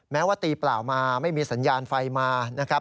แม้ว่าตีเปล่ามาไม่มีสัญญาณไฟมานะครับ